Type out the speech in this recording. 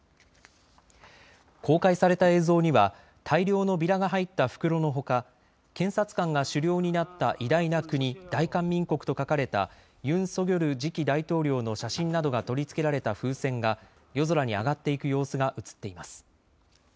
公開された映像には大量のビラが入った袋のほか検察官が首領になった偉大な国、大韓民国と書かれたユン・ソギョル次期大統領の写真などが取り付けられた風船が夜空に上がっていく様子が映っています。